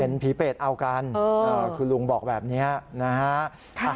ผีเปรตเอากันคุณลุงบอกแบบนี้นะฮะ